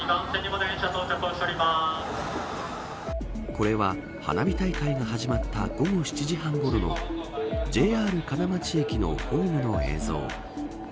これは花火大会が始まった午後７時半ごろのＪＲ金町駅のホームの映像。